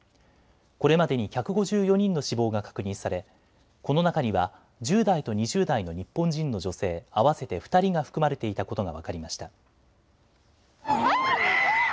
これまでに１５４人の死亡が確認され、この中には１０代と２０代の日本人の女性、合わせて２人が含まれていたことが分かりました。